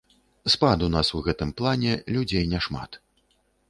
Спад у нас у гэтым плане, людзей няшмат.